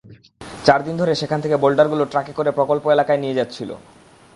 চার দিন ধরে সেখান থেকে বোল্ডারগুলো ট্রাকে করে প্রকল্প এলাকায় নিয়ে যাচ্ছিল।